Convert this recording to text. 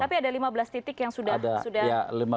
tapi ada lima belas titik yang sudah aman kira kira